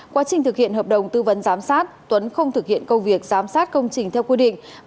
quá trình thực hiện hợp đồng tư vấn giám sát tuấn không thực hiện công việc giám sát công trình theo quy định